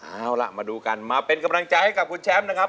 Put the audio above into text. เอาล่ะมาดูกันมาเป็นกำลังใจให้กับคุณแชมป์นะครับ